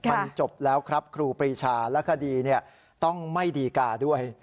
มันจบแล้วครับครูปรีชาและคดีต้องไม่ดีกาด้วย